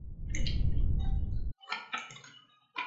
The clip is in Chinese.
总统选举采用两轮选举制。